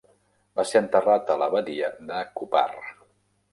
Va ser enterrat a l'Abadia de Cupar.